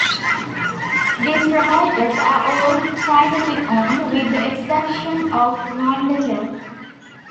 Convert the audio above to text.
These providers are all privately owned, with the exception of Rwandatel.